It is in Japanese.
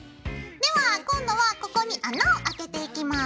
では今度はここに穴をあけていきます。